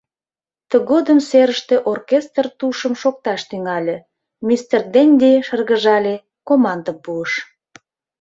Тыгодым серыште оркестр тушым шокташ тӱҥале, мистер Денди шыргыжале, командым пуыш: